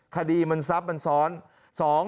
๑คดีมันซับมันซ้อน